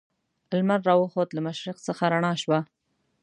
لمر را وخوت له مشرق څخه رڼا شوه.